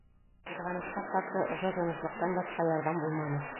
Ҡыҙғанысҡа ҡаршы, ошо тыныслыҡтан башҡа ярҙам булманы.